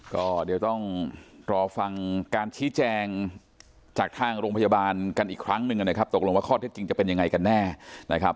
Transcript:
ก็เดี๋ยวต้องรอฟังการชี้แจงจากทางโรงพยาบาลกันอีกครั้งหนึ่งนะครับตกลงว่าข้อเท็จจริงจะเป็นยังไงกันแน่นะครับ